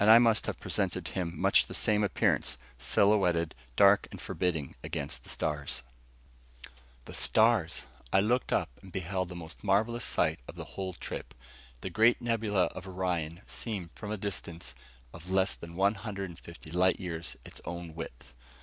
And I must have presented to him much the same appearance, silhouetted dark and forbidding against the stars. The stars! I looked up, and beheld the most marvelous sight of the whole trip the Great Nebula of Orion seen from a distance of less than one hundred and fifty light years its own width.